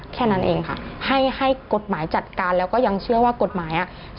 แค่นั้นเองค่ะให้ให้กฎหมายจัดการแล้วก็ยังเชื่อว่ากฎหมายอ่ะ